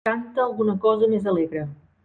Canta alguna cosa més alegre.